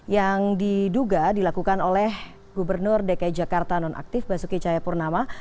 yang diduga dilakukan oleh gubernur dki jakarta nonaktif basuki cahayapurnama